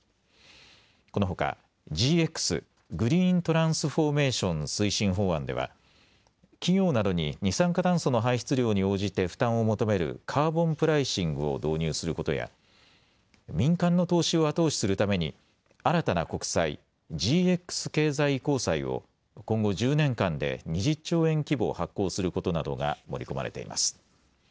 このほかＧＸ・グリーントランスフォーメーション推進法案では企業などに二酸化炭素の排出量に応じて負担を求めるカーボンプライシングを導入することや民間の投資を後押しするために新たな国債、ＧＸ経済移行債を今後１０年間で２０兆円規模発行することなどが盛り込まれています。